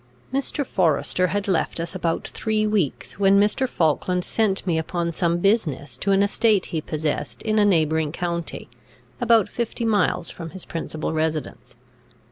Mr. Forester had left us about three weeks, when Mr. Falkland sent me upon some business to an estate he possessed in a neighbouring county, about fifty miles from his principal residence.